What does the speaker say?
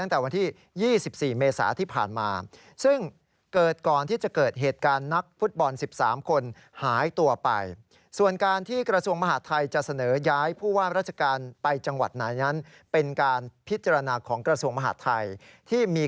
แต่ทำไมถึงถูกโยกถูกย้ายไป